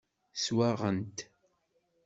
Swaɣen-t.